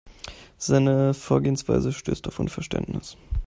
Seine Vorgehensweise stößt auf Unverständnis.